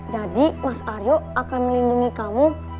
mas aryo akan melindungi kamu